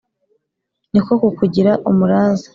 ni ko kukugira umuraza ;